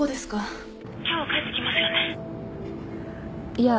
いや。